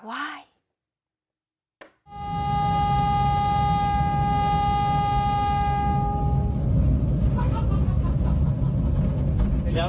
ว้าย